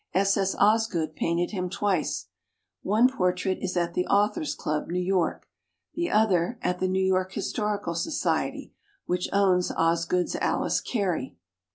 S. S. Osgood painted him twice. One por trait is at the Authors' Club, New York, the other at the New York His torical Society, which owns Osgood's Alice Cary.